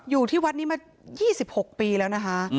อยู่ที่วัดนี้มา๒๖ปีแล้วนะคะ